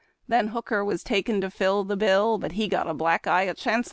Then Hooker was taken to fill the bill. But he got a black eye at Chancellorsville.